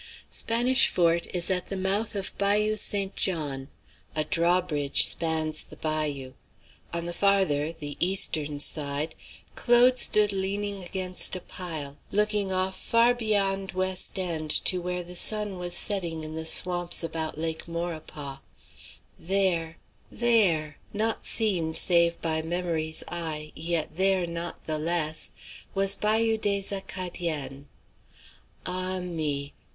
Spanish Fort is at the mouth of Bayou St. John. A draw bridge spans the bayou. On the farther, the eastern, side, Claude stood leaning against a pile, looking off far beyond West End to where the sun was setting in the swamps about Lake Maurepas. There there not seen save by memory's eye, yet there not the less, was Bayou des Acadiens. Ah me!